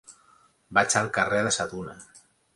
Vaig al carrer de Sa Tuna.